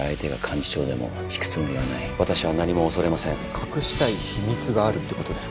隠したい秘密があるってことですか。